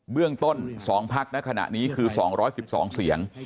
เรื่องต้น๒พักในขณะนี้คือ๒๑๒เสียง